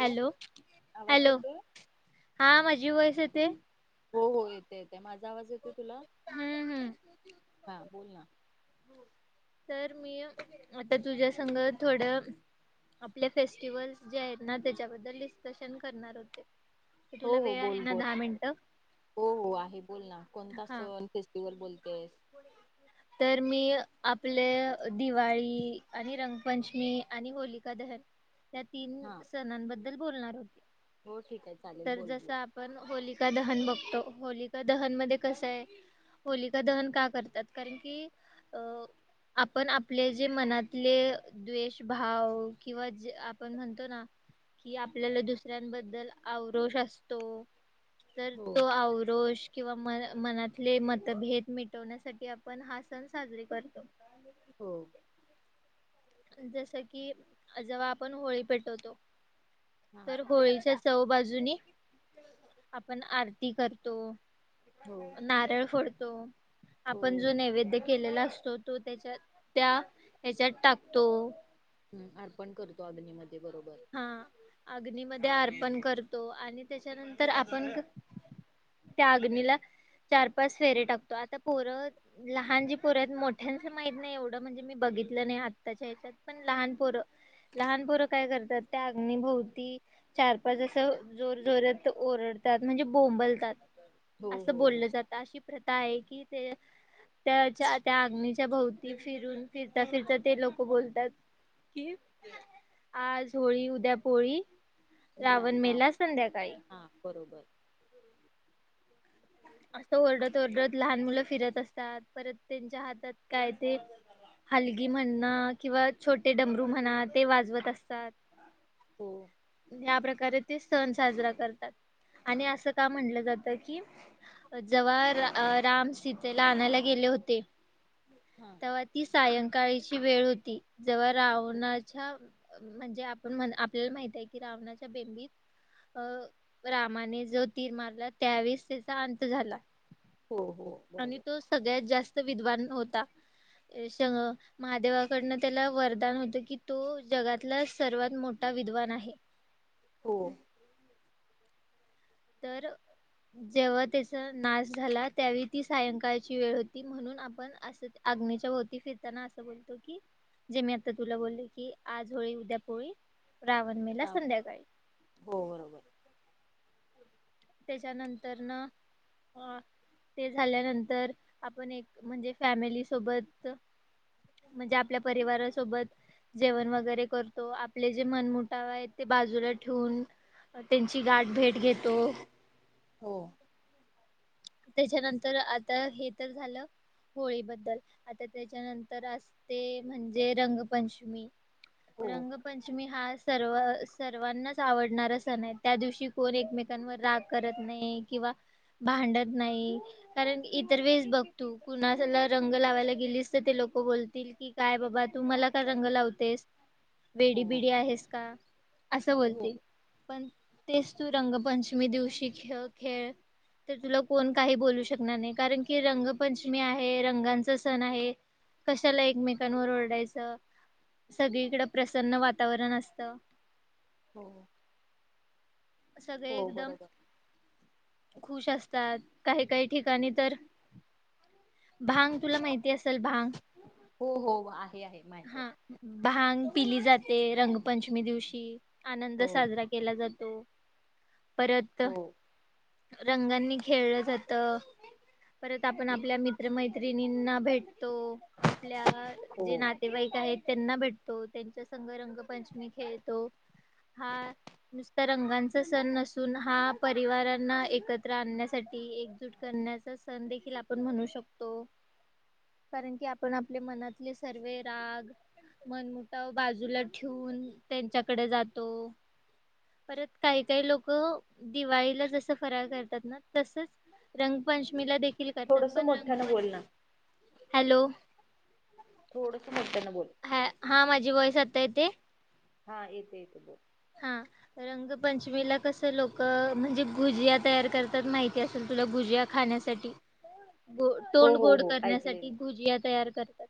Hello आवाज hello येतोय? हा माझी आवाज येते? हो हो येते येते माझा आवाज येतोय तुला हम्म हम्म हा? बोल ना! तर मी आता तुझ्यासग थोडं, आपले फेस्टिवल्स जे आहेत ना त्याच्याबद्दल डिस्कशन करणार होते क हो तुला हो वेळ आहे बोल ना बोल दहा मिनिटं हो हो आहे बोल ना कोणता हा सण फेस्टिवल बोलतेस तर मी आपले दिवाळी आणि रंगपंचमी आणि होलिका दहन त्या तीन हा सणांबद्दल बोलणार होत हो ठीक आहे चालेल तर बोल जस बोल. आपण होली दहन बघतो होलिका दहन मध्ये कस आहे होलिका दहन का करतात कारण की अ आपण आपले जे मनातले द्वेष भाव किंवा आपण म्हणतो ना कि आपल्याला दुसऱ्यांबद्दल आवरोष असतो तर हो तो आवरोश किंवा म मनातले मतभेद मिटवण्यासाठी की आपण हा सण साजरीे करतो हो जस की जेव्हा आपण होळी पेटवतो हा. तर होळीच्या चहू बाजूनी आपण आरती करतो हो नारळ फोडतो हो आपण जो नैवेद्य केलेला असतो तो त्याच्या त्या हच्यात टाक तो हम् अर्पण करतो अग्निमध्येध्ये हा अग्नीमध्ये अर्पण करतो आणि त्याच्यानंतर आपण त्या अग्नीला चार पाच फेरे टाकतो आता पोरं लहान जी पोरत मोठ्यांचं माहीत नाही एवढं म्हणजे मी बघ नाही आताच्या हच्यात पण लहान पोर लहान पोरं काय कर तर त्या अग्निभोवती चार पाच असं जोर जोरात ओरडतात म्हणजे बोंबलतात हो असं हो हो. बोललं जातं अशी प्रथा आहे कि ते त्याच्या त्या आग्नीच्या भोवती फिरून फिरता फिरता ते लोक बोलतात कि आज होळी उद्या पोळी रा रावण राव मेला संध्याकाळी हा बरोबर असं ओरडत ओरडत लहान मुलं फिरत असतात परत त्यांच्या हातात काय ते हलगी म्हणणा किंवा छोटे डमरू म्हणा ते वाजवत असतात हो या प्रकार प्रकारे ते सण साजरा करतात आणि असं का म्हणलं जात की जव्हा राम सीतेला आणायला गेले होते हा. तेव्हा ती सायंकाळीची वेळ होती जव्हा रावणाच्या म्हणजे आपण म्ह आपल्याला माहितय की रावणाच्या बेंबीत अ रामाने जो तीर मारला त्यावेळेस त्या अंत झाला हो हो आणि बरोबर. तो सगळ्यात जास्त विद्वान होता महादेवाकडनं त्याला वरदान होतं की तो जगातला सर्वात मोठा विद्वान आहे हो तर जेव्हा त्याचा नाश झाला त्यावेळी ती सायंकाळची वेळ होती म्हणून आपण अस अग्नीच्या भोवती फिरताना असं बोलतो की जे मी आता तुला बोलले की आज होळी उद्या पोळी रावण मेला रावण संध्याकाळी हो बरोबर. त्यानंतर न अ ते झाल्यानंतर आपण एक म्हणजे फॅमिली सोबत म्हणजे आपल्या परिवारच सोबत जेवण वगैरे करतो आपले जे मनमटाव आहेत ते बाजूला ठेवून त्यांची गाठ भेट घेतो हो त्याच्यानंतर आता हे तर झालं. होळीबद्दल आता त्याच्यानंतर असते म्हणजे रंगपंचमी हो रंगपंचमी हा सर्व सर्वांनाच आवडणारा सण आहे त्या दिवशी कोण एकमेकांवर राग करत नाही किंवा भांडत नाही कारण इतर वेळेस बघतू कुणाला रंग लावायला गेलीस तर ते लोक बोलतील. की काय बाबा तू मला काय रंग लावतेस. हो वेडी बिडी आहेस का असं हो बोलते पण तेच तू रंगपंचमी दिवशी खेळ खेळ तर तुला कोण काही बोलू शकणार नाही कारण की रंगपंचमी आहे रंगांचा सण आहे. कशाला एकमेकांवर ओरडायचं. सगळीकडं प्रसन्न वातावरण असत. हो. सगळे हो एकदम बरोबर खुश अस तास काही काही ठिकाणी तर भांग तुला माहिती असेल भांग हो हो. आहे माहित हा आहे भांग पिली जाते रंगपंचमी दिवशी. आनंद हो साजरा केला जातो. परत हो रंगांनी खेळलं जात. परत आपण आपल्या मित्रमैत्रिणींना भेटतो आपल्या हो जे ना त्यांना भेटतो त्यांचा संघ रंगपंचमी खेळतो. हा नुसता रंगांचा सण नसून हा परिवारांना एकत्र आणण्यासाठी एकजूट करण्याचा सण देखील आपण म्हणू शकतो. कारण की आपण आपल्या मनातले सर्वे राग मनमुठाव बाजूला ठेऊून त्यांच्याकडे जातो. परत काही काही लोक दिवाळीला जस फरार करतात ना तसच रंगपंचमीला देखी थोडस मोठय़ा न बोलणा. हॅलो. थोडस. मोठ्यानं बोल ह हा माझी वॉयस आता येतेे. हा येते येते बोल. हा रंगपंचमीला कस लोक म्हणजे भुजिया तयार करतात माहिती असेल. भुजिया खाण्यासाठी हो तोंड हो गोड हो ऐकले करण्यासाठी मी भुजिया तयार करतात.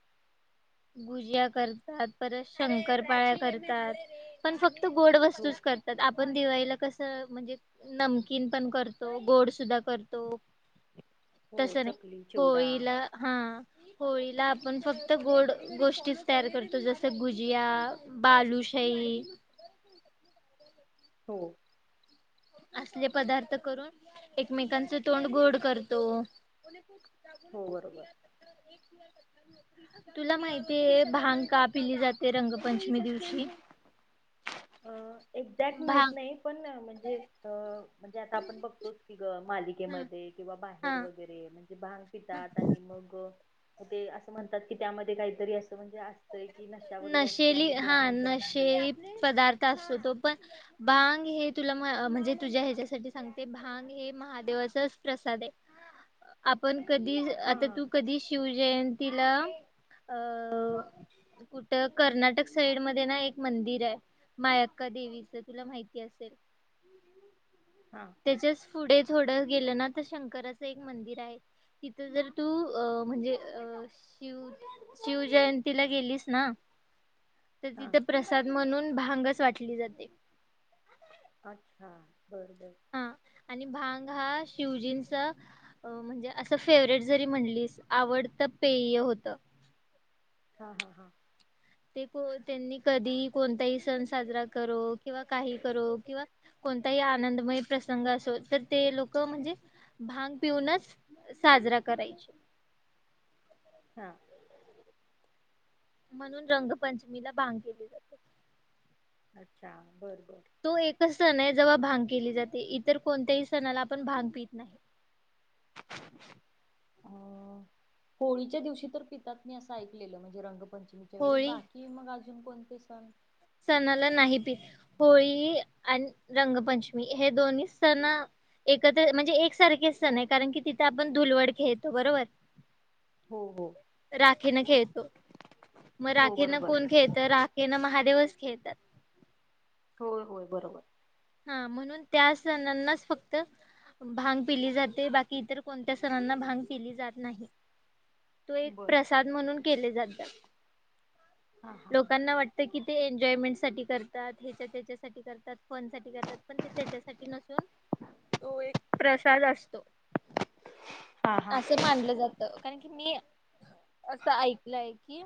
गुज्या करतात परत शंकर पाळ्या करतात पण फक्त गोड हो वस्तूच करतात. पण दिवाळीला कसं म्हणजे नमकीन पण करतो गोड सुद्धा करतो. हो तस नाही चकली चिवडा होळीला हा. होळीला आपण फक्त गोड गोष्टीच तयार करतो जसे भुजया बालू शाई. हो. असले पदार्थ करून एकमेकांच तोंड गोड करतो. हो बरोबर [unintelligible] तुला माहितीय भांग का पिली जाते रंगपंचमी दिवशी. अ एक्झॅक्ट माहीत भांग नाही पण म्हणजे अ म्हणजे आता आपण बघतो की ह मालिकेमध्ये किंवा बाहेर हा वगैरे म्हणजे भांग पितात आणि मग हो ते असं म्हणतात की त्यामध्ये काहीतरी असं म्हणजे अस नशेली हा नशेली पदार्थ. तो पण भांग हे तुला म्हणजे तुझ्या ह्याच्यासाठी सांगते भांग हे महादेव प्रसाद आपण कधी हा आता तू कधी शिवजयंतीला अ कुठं कर्नाटक साईड मध्ये ना एक मंदिर आहे मायक्का देवीच तुला माहिती असेल हा त्याच्याच पुढे थोडं गेलं ना तर शंकराचं एक मंदिर आहे तिथं जर तू अ म्हणजे अ शिव शिव जयंतीला गेलीस ना तर हा तिथे प्रसाद म्हणून भांगच वाटली जाते अच्छा बरोबर हा आणि भांग हा शिवजींचा म्हणजे असं फेवरेट जरी म्हणलीस आवडत पेय होत हा हा हा ते त्यांनी कधी कोणताही सण साजरा करो किंवा काही करो किंवा कोणताही आनंदमय प्रसंग असो तर ते लोक म्हणजे भांग पिऊनच साजरा करायचा हा म्हणून रंगपंचमीला भांग केली जाते अच्छा बर बर. तो एकच सण आहे जेव्हा भांग केली जाते इतर कोणत्याही सणाला आपण भांग पित नाही अ होळीच्या दिवशी तर पितात मी असं ऐकलेलं म्हणजे रंग पंचमीच्या वेळी होळी बाकी मग अजून कोणते सण सणाला नाही पीती होळी आणि रंगपंचमी हे दोन्ही सण एकत्र म्हणजे एकसारखे असण आहे कारण की तिथं आपण धुलवड खेळतो बरोबर हो हो राखेन ना खेळतो मग हो राखेना बरोबर कोण खेळत राखेन महादेवच खेळतात होय होय बरोबर हा म्हणून त्या सणांनाच फक्त भांग पिली जाते बाकी इतर कोणत्या सणांना भांग पिली जात नाही तो एक बर. प्रसाद म्हणून केले जातात हा हा हा. लोकांना वाटत की ते एन्जॉयमेंट साठी करतात हच्या त्याच्यासाठी करतात फोन साठी ात पण ते त्याच्यासाठी नसून तो एक प्रसाद असतो हा हा असं मानलं जातं कारण की मी असं ऐकलंय कि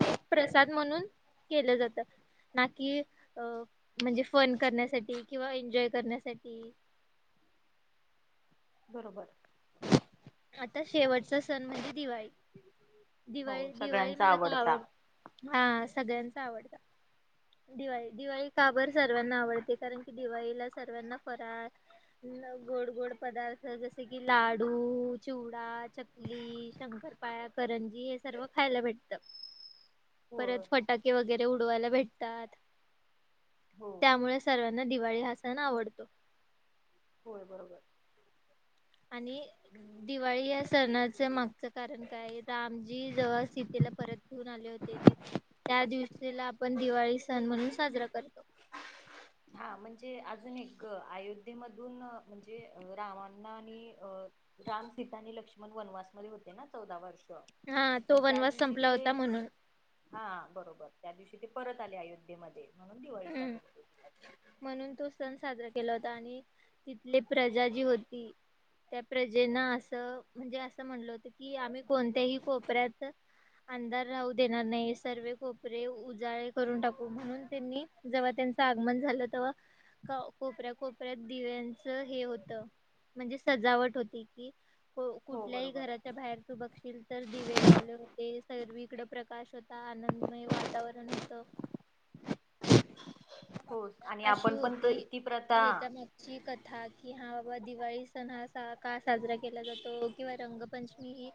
ते प्रसाद म्हणून केलं जातं ना की अ म्हणजे फन करण्यासाठी किंवा एन्जॉय करण्यासाठी बरोबर आता शेवटचा सण म्हणजे दिवाळी हो दिवाळी दिवाळी सगळ्यांचा मला का आवडता. आवड हा सगळ्यांचा आवडत दिवाळी दिवाळी काबर सर्वांना आवडते कारण की दिवाळीला सर्वांना फराळ गोड गोड पदार्थ जसे की लाडू चिवडा चकली शंकरपाळ्या करंजी हे सर्व खायला भेटत होय परत फटाके वगैरे उडवायला भेटतात हो त्यामुळे सर्वांना दिवाळी हा सण आवडतो होय बरोबर आणि दिवाळी या सणाच्या मागच कारण काय रामजी जवळ परत घेऊन आले होते त्या दिवशीला आपण दिवाळी सण म्हणून साजरा करतो हा म्हणजे अजून एक अयोध्येमधून म्हणजे रावांना आणि अ राम सीता आणि लक्ष्मण वनवासमध्ये होते ना चौदा वर्ष हा तो मग त्या वनवास दिवशी संपला ते होता म्हणून हा बरोबर त्या दिवशी ते परत आले अयोध्येमध्ये म्हणून दिवाळी हम्म. साजरी करली म्हणून तो सण साजरा केला होता आणि तिथले प्रजा जी होती त्या प्रजेना असं म्हणजे असं म्हणल होतं की आम्ही कोणत्याही कोपऱ्यात अंधार राहू देणार नाही सर्व कोपरे उजाळे करून टाकू म्हणून त्यांनी जेव्हा त्यांचं आगमन झालं तेव्हा कोपऱ्या कोपऱ्यात दिव्यांचं हे होत म्हणजे सजावट होती की हो कुठल्याही बरोबर आहे. घराच्या बाहेरचू बघशील तर दिवे लावले होते सर्वी इकडे प्रकाश स्तः आनंदमय वातावरण होत हो आणि अशी आपण पण होती त- ती प्रथा हेच्या मागची कथा कि हा बाबा दिवाळी सण हा का साजरा केला जातो किंवा रंगपंचमी ह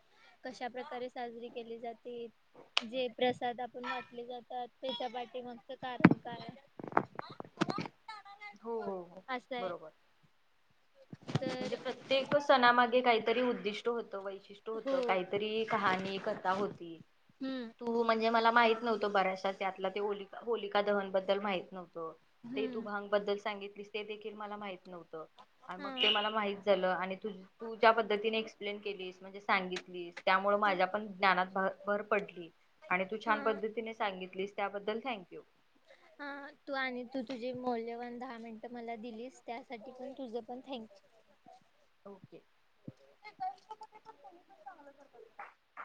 कशा [unintelligible] जे प्रसाद आपण वाटले जातात त्याच्या पाठीमागच कारण काय हो असं आहे बरोबर तर म्हणजे प्रत्येक सणामागे काहीतरी उद्दिष्ट होतं बाई हो काहीतरी कहाणी कथा होती हम्म तू म्हणजे मला माहिती नव्हतो बऱ्याचशाच त्यातला ते होलिका दहनबद्दल माहित नव्हतं ते हम्म तुभांगबद्दल सांगितलीस ते देखील दे मला माहित नव्हत ग हा ला माहित झाल आणि तू ज्या पद्धतीने एक्सप्लेन केलीस म्हणजे सांगितली त्यामुळे माझ्या पण ज्ञानात भ भर पडली आणि तू हा छान पद्धतीने सांगितलीस त्याबद्दल थँंक्यू ह तू आणि तू तुझे मौल्यवान दहा मिनटं मला दिलीस त्यासाठी पण तुझं पण थँक हो ओके. चांगलं